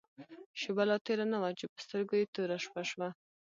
شېبه لا تېره نه وه چې په سترګو يې توره شپه شوه.